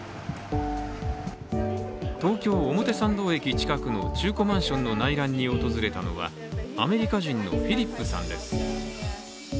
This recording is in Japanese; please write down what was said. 東京・表参道駅近くの中古マンションの内覧に訪れたのはアメリカ人のフィリップさんです。